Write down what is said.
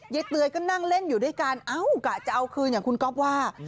เตยก็นั่งเล่นอยู่ด้วยกันเอ้ากะจะเอาคืนอย่างคุณก๊อฟว่า